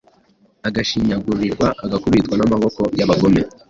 agashinyagurirwa, agakubitwa n’amaboko y’abagome,